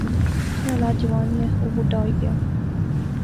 اس نی اولاد جوان یہ او بڈھا ہوئی گیا